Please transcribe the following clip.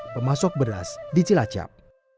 pemasok beras di cilacap